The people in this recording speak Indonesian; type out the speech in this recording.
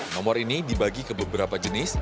nomor ini dibagi ke beberapa jenis